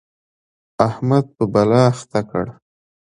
احمد يې په بلا اخته کړ.